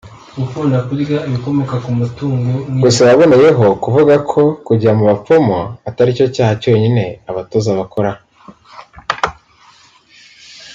Gusa yaboneyeho kuvuga ko kujya mu bapfumu ataricyo cyaha cyonyine abatoza bakora